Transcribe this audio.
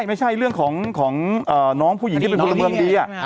ไม่ใช่เรื่องของน้องผู้หญิงที่เป็นพลเมืองดี